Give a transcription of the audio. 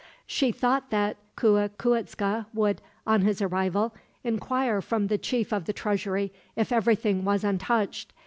"She thought that Cuicuitzca would, on his arrival, inquire from the chief of the treasury if everything was untouched.